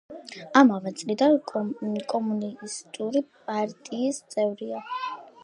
ამავე წლიდან კომუნისტური პარტიის წევრია.